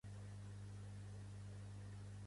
Es distribueix per Algèria i el Marroc.